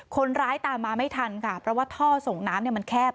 คนร้ายตามมาไม่ทันค่ะเพราะว่าท่อส่งน้ำมันแคบ